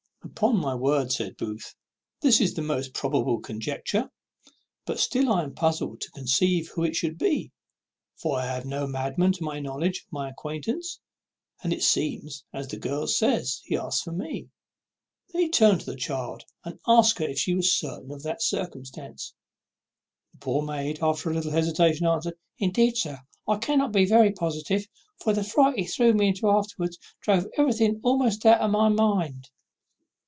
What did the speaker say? "Upon my word," said Booth, "this is the most probable conjecture; but still I am puzzled to conceive who it should be, for I have no madman to my knowledge of my acquaintance, and it seems, as the girl says, he asked for me." He then turned to the child, and asked her if she was certain of that circumstance. The poor maid, after a little hesitation, answered, "Indeed, sir, I cannot be very positive; for the fright he threw me into afterwards drove everything almost out of my mind."